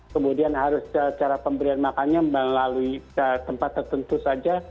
kemudian harus cara pemberian makannya melalui tempat tertentu saja